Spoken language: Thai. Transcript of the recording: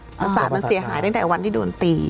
ประสาทมันเสียหายตั้งแต่วันที่โดนตี